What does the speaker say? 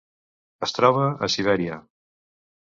Es troba a Sibèria.